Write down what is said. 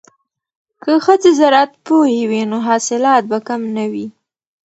که ښځې زراعت پوهې وي نو حاصلات به کم نه وي.